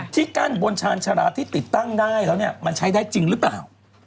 ที่กั้นบนชาญชาลาที่ติดตั้งได้แล้วเนี่ยมันใช้ได้จริงหรือเปล่า